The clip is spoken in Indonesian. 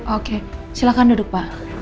oke silakan duduk pak